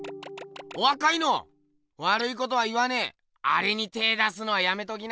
お若いのわるいことは言わねえアレに手ぇ出すのはやめときな。